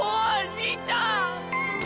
兄ちゃん！！